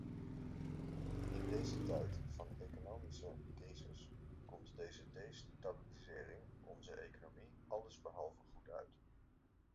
In deze tijd van economische crisis komt deze destabilisering onze economie allesbehalve goed uit.